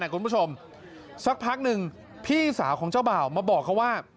คุณผู้ชมสักพักหนึ่งพี่สาวของเจ้าบ่าวมาบอกเขาว่า